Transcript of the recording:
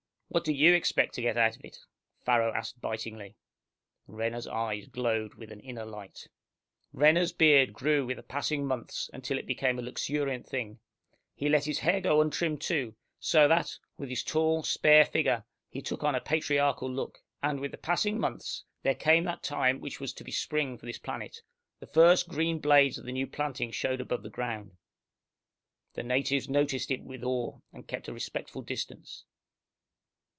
"What do you expect to get out of it?" Farrow asked bitingly. Renner's eyes glowed with an inner light. Renner's beard grew with the passing months until it became a luxuriant thing. He let his hair go untrimmed too, so that, with his tall, spare figure, he took on a patriarchal look. And, with the passing months, there came that time which was to be spring for this planet. The first green blades of the new planting showed above the ground. The natives noticed it with awe, and kept a respectful distance.